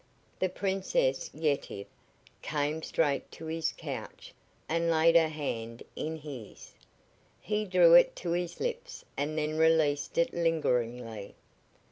The Princess Yetive came straight to his couch and laid her hand in his. He drew it to his lips and then released it lingeringly.